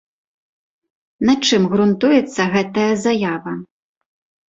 На чым грунтуецца гэтая заява?